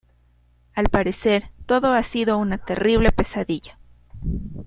Al parecer, todo ha sido una terrible pesadilla...